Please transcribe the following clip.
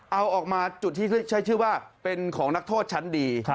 เอาออกมาจุดที่ใช้ชื่อว่าเป็นของนักโทษชั้นดี